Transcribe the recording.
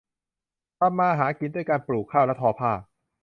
ทำมาหากินด้วยการปลูกข้าวและทอผ้า